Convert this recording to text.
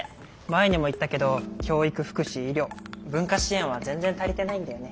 前にも言ったけど教育福祉医療文化支援は全然足りてないんだよね。